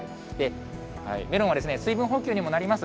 メロンは水分補給にもなります。